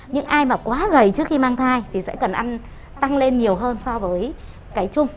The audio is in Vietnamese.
những ai mà quá gầy trước khi mang thai thì sẽ cần ăn tăng lên nhiều hơn so với cái chung